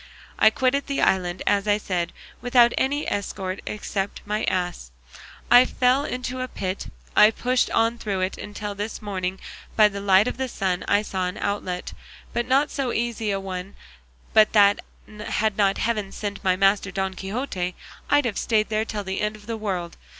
I quitted the island, as I said, without any escort except my ass; I fell into a pit, I pushed on through it, until this morning by the light of the sun I saw an outlet, but not so easy a one but that, had not heaven sent me my master Don Quixote, I'd have stayed there till the end of the world.